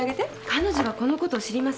彼女はこのことを知りません。